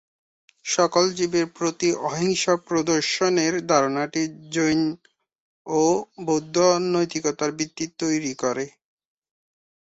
সকল জীবের প্রতি অহিংসা প্রদর্শনের ধারণাটি জৈন ও বৌদ্ধ নৈতিকতার ভিত্তি তৈরি করে।